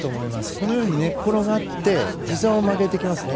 このように寝っ転がってひざを曲げていきますね。